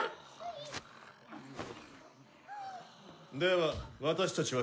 では私たちは帰る。